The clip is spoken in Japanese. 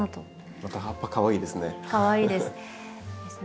また葉っぱかわいいですね。